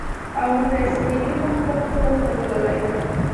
او موټر ساېکلې مخ پۀ پورته تللې ـ